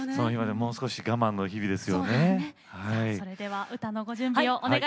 もう少し我慢の日々ですね。